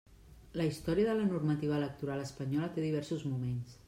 La història de la normativa electoral espanyola té diversos moments.